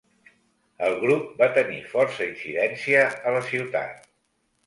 El Grup va tenir força incidència a la ciutat.